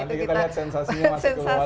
nanti kita lihat sensasinya masuk ke bawah tanah